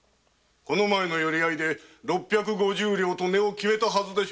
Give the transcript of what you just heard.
この前の寄り合いで六百五十両と決めたはずです。